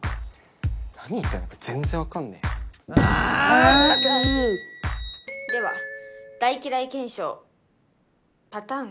何言いたいのか全然わかんねえあーん？では大嫌い検証パターン